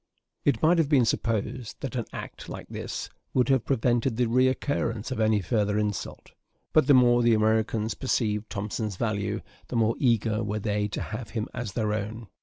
It might have been supposed that an act like this would have prevented the recurrence of any further insult; but the more the Americans perceived Thompson's value, the more eager were they to have him as their own.